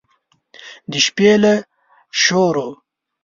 د شپې له سیورو